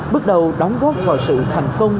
bước đầu đóng góp vào sự thành công